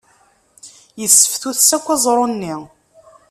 Yesseftutes akk aẓru-nni.